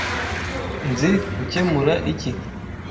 Nzi gukemura iki.